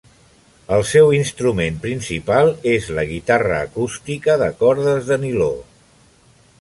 El seu instrument principal és la guitarra acústica de cordes de niló.